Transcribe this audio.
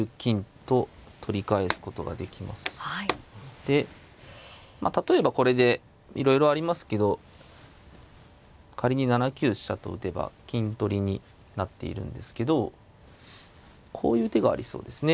でまあ例えばこれでいろいろありますけど仮に７九飛車と打てば金取りになっているんですけどこういう手がありそうですね。